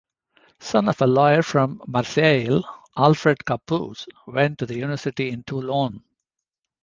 Son of a lawyer from Marseille, Alfred Capus went to university in Toulon.